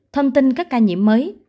thông tin các ca nhiễm mới